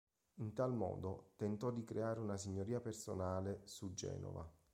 In tal modo tentò di creare una signoria personale su Genova.